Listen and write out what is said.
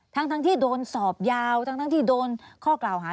ทั้งที่โดนสอบยาวทั้งที่โดนข้อกล่าวหา